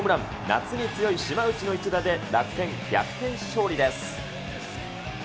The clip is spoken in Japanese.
夏に強い島内の一打で楽天、逆転勝利です。